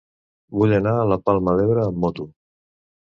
Vull anar a la Palma d'Ebre amb moto.